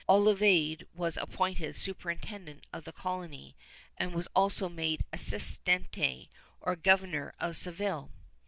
Olavide was appointed superintendent of the colony, and was also made assistmte, or governor of Seville.